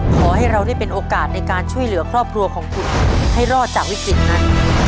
ขอให้เราได้เป็นโอกาสในการช่วยเหลือครอบครัวของคุณให้รอดจากวิกฤตนั้น